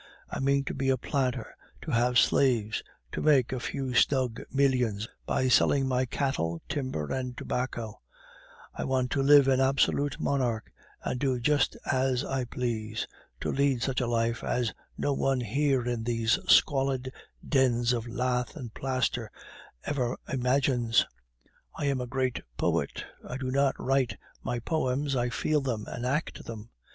I mean to be a planter, to have slaves, to make a few snug millions by selling my cattle, timber, and tobacco; I want to live an absolute monarch, and to do just as I please; to lead such a life as no one here in these squalid dens of lath and plaster ever imagines. I am a great poet; I do not write my poems, I feel them, and act them.